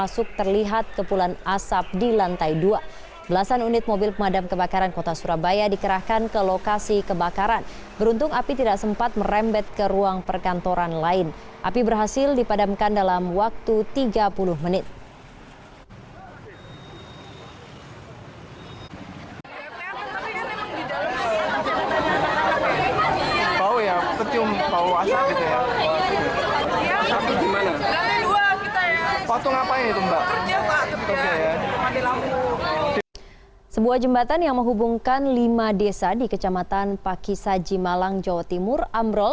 sebuah jembatan yang menghubungkan lima desa di kecamatan pakisaji malang jawa timur amrol